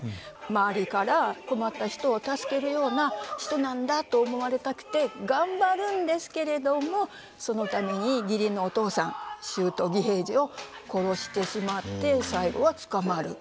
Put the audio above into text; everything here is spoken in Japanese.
周りから「困った人を助けるような人なんだ」と思われたくて頑張るんですけれどもそのために義理のお父さん舅義平次を殺してしまって最後は捕まる。